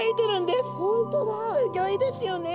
すギョいですよね。